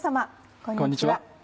こんにちは。